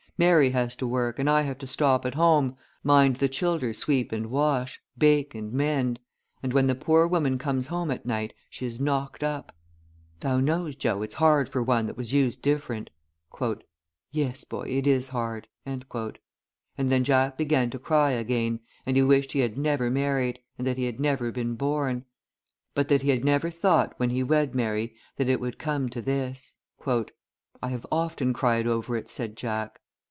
Mary has to work and I have to stop at home, mind the childer sweep and wash, bake and mend; and, when the poor woman comes home at night, she is knocked up. Thou knows, Joe, it's hard for one that was used different." "Yes, boy, it is hard." And then Jack began to cry again, and he wished he had never married, and that he had never been born; but he had never thought, when he wed Mary, that it would come to this. "I have often cried over it," said Jack.